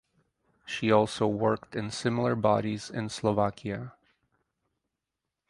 She also worked in similar bodies in Slovakia.